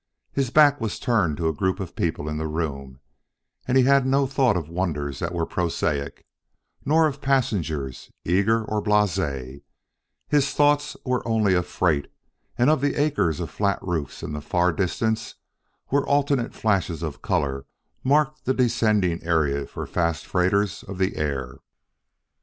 His back was turned to the group of people in the room, and he had no thought of wonders that were prosaic, nor of passengers, eager or blase; his thoughts were only of freight and of the acres of flat roofs far in the distance where alternate flashes of color marked the descending area for fast freighters of the air.